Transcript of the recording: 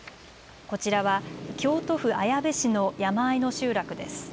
こちらは京都府綾部市の山あいの集落です。